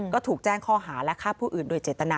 ก็ถูกแจ้งข้อหาและฆ่าผู้อื่นโดยเจตนา